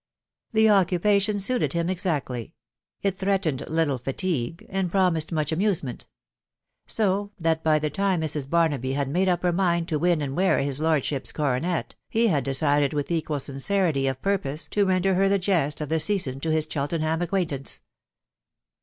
The occupation suited him exactly; it threatened little fatigue, and promised much amuse* ment ; so that by the time Mrs. Barnaby had made up her mind to win and wear his lordship's coronet, he had decided with equal sincerity of purpose to render her the jest of the season to his Cheltenham acquaintance.